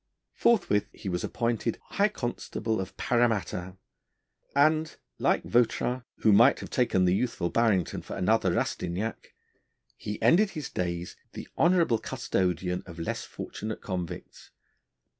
Forthwith he was appointed high constable of Paramatta, and, like Vautrin, who might have taken the youthful Barrington for another Rastignac, he ended his days the honourable custodian of less fortunate convicts.